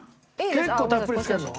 結構たっぷりつけるの？